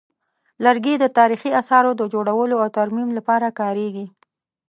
لرګي د تاریخي اثارو د جوړولو او ترمیم لپاره کارېږي.